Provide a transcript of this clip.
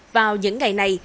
vào những ngày này